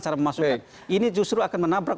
cara memasukkan ini justru akan menabrak